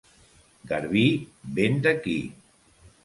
Garbí, vent d'aquí.